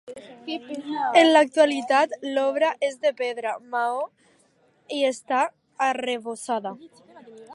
En l'actualitat l'obra és de pedra, maó i està arrebossada.